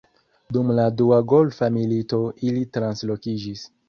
Dum la Dua Golfa Milito ili translokiĝis.